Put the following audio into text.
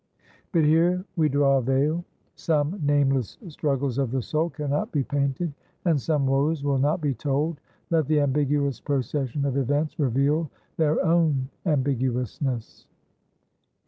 But here we draw a vail. Some nameless struggles of the soul can not be painted, and some woes will not be told. Let the ambiguous procession of events reveal their own ambiguousness.